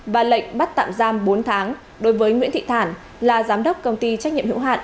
và lệnh bắt tạm giam bốn tháng đối với nguyễn thị thản là giám đốc công ty trách nhiệm hữu hạn